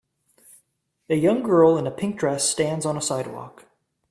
A young girl in a pink dress stands on a sidewalk.